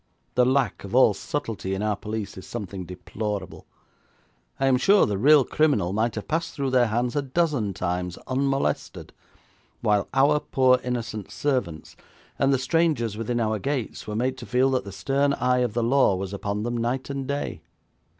The lack of all subtlety in our police is something deplorable. I am sure the real criminal might have passed through their hands a dozen times unmolested, while our poor innocent servants, and the strangers within our gates, were made to feel that the stern eye of the law was upon them night and day.'